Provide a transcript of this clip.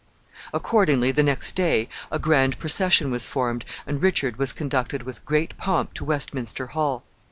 Accordingly, the next day, a grand procession was formed, and Richard was conducted with great pomp to Westminster Hall.